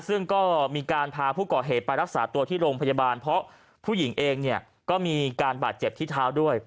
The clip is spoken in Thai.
ซึ่งก็มีการพาผู้ก่อเหตุไปรักษาตัวที่โรงพยาบาลเพราะผู้หญิงเองเนี่ยก็มีการบาดเจ็บที่เท้าด้วย